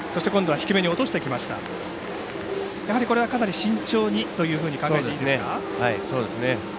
低め、かなり慎重にというふうに考えていいでしょうか。